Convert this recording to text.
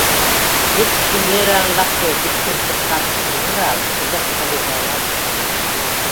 დეცჟი მე̄რა̄̈ლ ლახე ბიქურ ხოჩა̄მდ იყლუ̄რა̄̈ლხ, ეჯას ქა ლიგვა̄ლა̄̈ლ ხოხა.